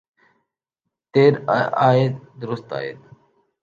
دیر آید درست آید۔